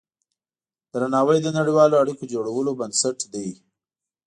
درناوی د نړیوالو اړیکو د جوړولو بنسټ دی.